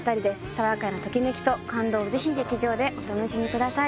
爽やかなときめきと感動をぜひ劇場でお楽しみください